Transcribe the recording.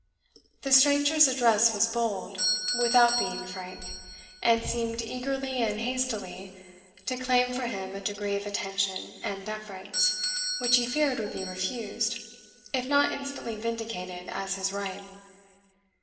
The stranger's address was bold, without being frank, and seemed eagerly and hastily to claim for him a degree of attention and deference which he feared would be refused, if not instantly vindicated as his right.